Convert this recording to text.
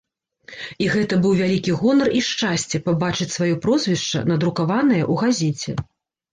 І гэта быў вялікі гонар, і шчасце пабачыць сваё прозвішча, надрукаванае ў газеце.